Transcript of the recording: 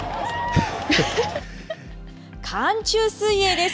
寒中水泳です。